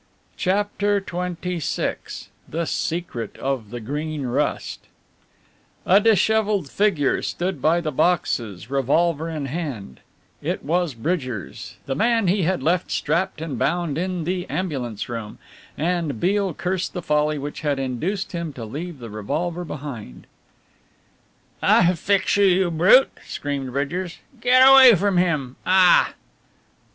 CHAPTER XXVI THE SECRET OF THE GREEN RUST A dishevelled figure stood by the boxes, revolver in hand it was Bridgers, the man he had left strapped and bound in the "ambulance room," and Beale cursed the folly which had induced him to leave the revolver behind. "I'll fix you you brute!" screamed Bridgers, "get away from him ah!"